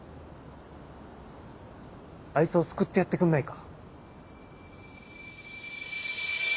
あいつを救ってやってくんないか？